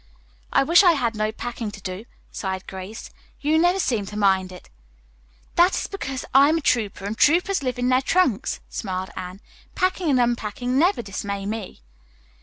"I wish I had no packing to do," sighed Grace. "You never seem to mind it." "That is because I am a trouper, and troupers live in their trunks," smiled Anne. "Packing and unpacking never dismay me."